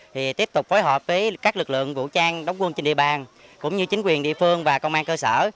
thì tiếp tục phối hợp với các lực lượng vũ trang đóng quân trên địa bàn cũng như chính quyền địa phương và công an cơ sở